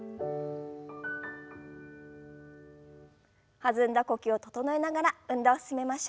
弾んだ呼吸を整えながら運動を進めましょう。